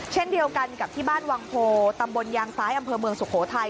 เช่นเดียวกันกับที่บ้านวังโพตำบลยางซ้ายอำเภอเมืองสุโขทัย